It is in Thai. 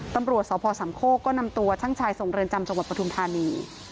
ตำรวจสพสามโคกก็นำตัวช่างชายส่งเรือนจำจังหวัดปทุมธานี